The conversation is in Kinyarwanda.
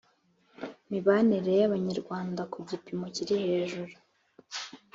mibanire y abanyarwanda ku gipimo kiri hejuru